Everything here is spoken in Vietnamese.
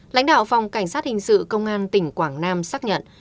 lãnh đạo phòng cảnh sát hình sự công an tỉnh quảng nam xác nhận